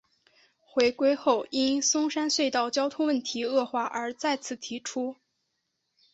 回归后因松山隧道交通问题恶化而再次提出。